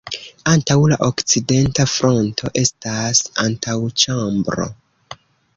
Antaŭ la okcidenta fronto estas antaŭĉambro.